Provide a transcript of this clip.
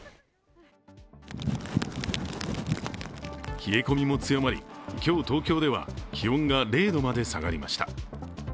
冷え込みも強まり今日、東京では気温が０度まで下がりました。